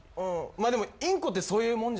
でもインコってそういうもんじゃん。